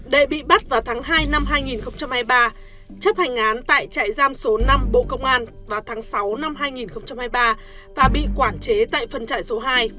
đệ bị bắt vào tháng hai năm hai nghìn hai mươi ba chấp hành án tại trại giam số năm bộ công an vào tháng sáu năm hai nghìn hai mươi ba và bị quản chế tại phân trại số hai